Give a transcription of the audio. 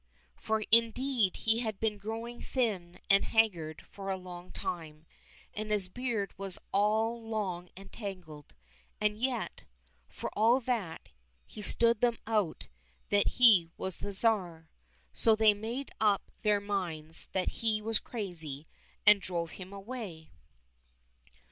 For indeed he had been growing thin and haggard for a long time, and his beard was all long and tangled. And yet, for all that, he stood them out that he was the Tsar. So they made up their minds that he was crazy, and drove him away.